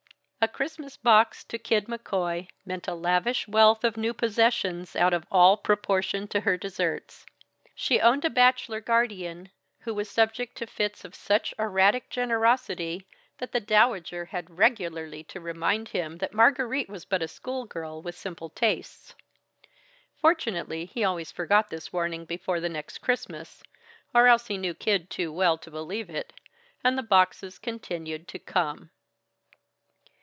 A Christmas box to Kid McCoy meant a lavish wealth of new possessions out of all proportion to her desserts. She owned a bachelor guardian who was subject to fits of such erratic generosity that the Dowager had regularly to remind him that Margarite was but a school girl with simple tastes. Fortunately he always forgot this warning before the next Christmas or else he knew Kid too well to believe it and the boxes continued to come.